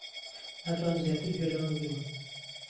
ناتوانم زیاتر گوێ لەمە بگرم.